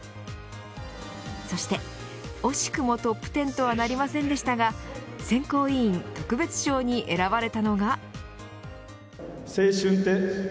そして惜しくもトップ１０とはなりませんでしたが選考委員特別賞に選ばれたのが。